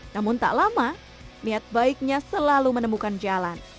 namun tak lama niat baiknya selalu menemukan jalan